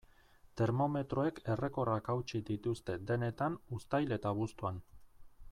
Termometroek errekorrak hautsi dituzte denetan uztail eta abuztuan.